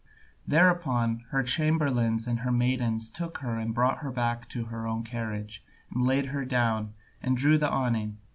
Thereupon her chamberlains and her maidens took her and brought her back to her own carriage, and laid her down and drew the awning.